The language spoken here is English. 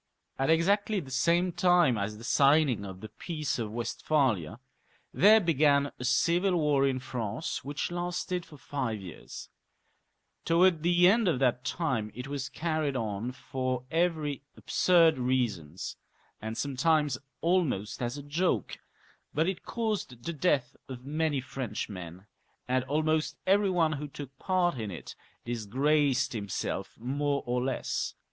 At exactly the same time as the signing of the Peace of Westphalia there began a civil war in France, which lasted for five years. Towards the end of the time it was c^«i »a fo, \^ .W ».»■«, .ad »«etoe. ata»t as a joke ; but it caused the death of many Frenchmen, and almost every one who took part in it disgraced him seK more or less.